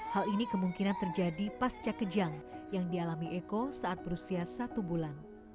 hal ini kemungkinan terjadi pasca kejang yang dialami eko saat berusia satu bulan